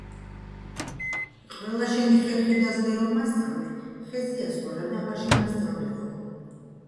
ყველა შენი ხერხი და ზნე რომ მასწავლე, ხეზე ასვლა რად აღარ შემასწავლეო